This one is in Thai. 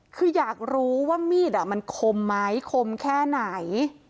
คืออยากรู้ว่ามีดมันคมไหมคมแค่ไหน